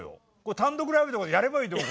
単独ライブとかでやればいいと思う。